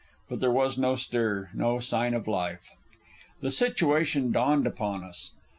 But there was no stir, no sign of life. The situation dawned upon us.